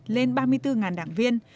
lên ba mươi bốn đảng viên